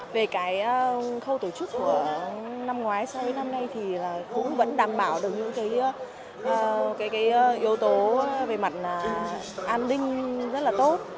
về cái khâu tổ chức của năm ngoái so với năm nay thì cũng vẫn đảm bảo được những cái yếu tố về mặt an ninh rất là tốt